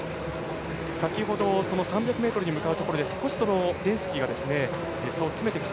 先ほど３００ｍに向かうところで少しレンスキーが差を詰めてきた。